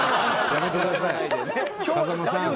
やめてください。